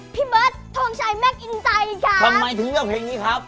พี่เบิร์ดทงชัยแมคอินใจค่ะทำไมถึงเลือกเพลงนี้ครับ